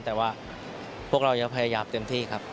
แต่ว่าพวกเรายังพยายามเต็มที่ครับ